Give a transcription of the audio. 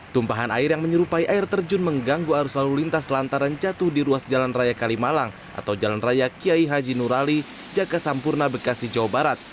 tumpahan air yang menyerupai air terjun mengganggu arus lalu lintas lantaran jatuh di ruas jalan raya kalimalang atau jalan raya kiai haji nurali jaka sampurna bekasi jawa barat